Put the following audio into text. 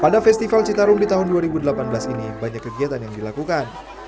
pada festival citarum di tahun dua ribu delapan belas ini banyak kegiatan yang dilakukan